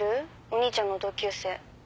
お兄ちゃんの同級生。